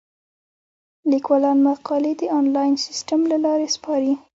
لیکوالان مقالې د انلاین سیستم له لارې سپاري.